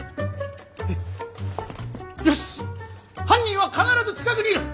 よし犯人は必ず近くにいる。